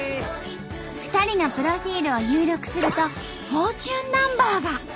２人のプロフィールを入力するとフォーチュンナンバーが。